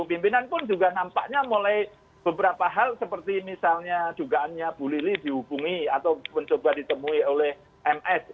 pimpinan pun juga nampaknya mulai beberapa hal seperti misalnya dugaannya bu lili dihubungi atau mencoba ditemui oleh ms